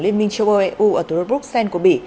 liên minh châu âu eu ở turobuk sen của bỉ